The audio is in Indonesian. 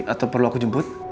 atau perlu aku jemput